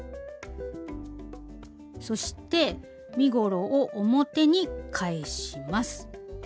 そして身ごろを表に返します。